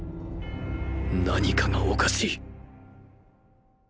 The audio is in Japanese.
何かがおかしい